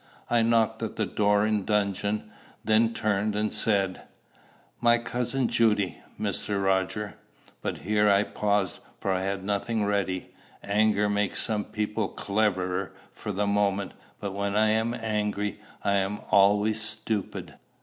I knocked at the door in dudgeon, then turned and said, "My cousin Judy, Mr. Roger" But here I paused, for I had nothing ready. Anger makes some people cleverer for the moment, but when I am angry I am always stupid.